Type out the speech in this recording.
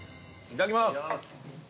いただきます。